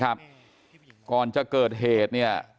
กลุ่มตัวเชียงใหม่